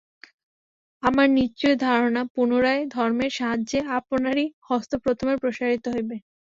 আমার নিশ্চয় ধারণা, পুনরায় ধর্মের সাহায্যে আপনারই হস্ত প্রথমে প্রসারিত হইবে।